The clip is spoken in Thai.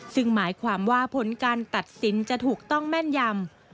ซึ่งหมายความว่าผลการตัดสินจะถูกต้องแม่นยำ